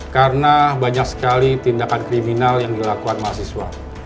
karena banyak sekali tindakan kriminal yang dilakukan mahasiswa